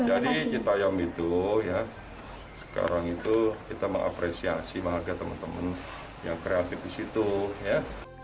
jadi cita m itu ya sekarang itu kita mengapresiasi maha ke teman teman yang kreatif di situ ya